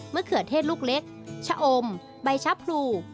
เขือเทศลูกเล็กชะอมใบชะพลู